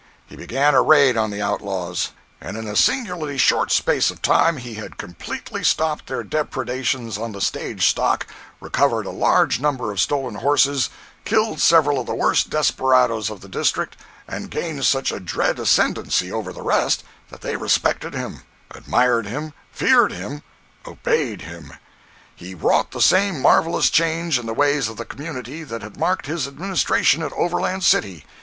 He began a raid on the outlaws, and in a singularly short space of time he had completely stopped their depredations on the stage stock, recovered a large number of stolen horses, killed several of the worst desperadoes of the district, and gained such a dread ascendancy over the rest that they respected him, admired him, feared him, obeyed him! He wrought the same marvelous change in the ways of the community that had marked his administration at Overland City.